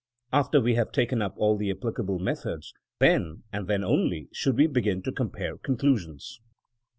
After we have taken up aU the applicable methods, then, and then only, should we begin to compare conclusions.